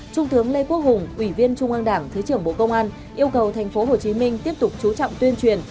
trung tướng lê quốc hùng ủy viên trung an đảng thứ trưởng bộ công an yêu cầu tp hcm tiếp tục chú trọng tuyên truyền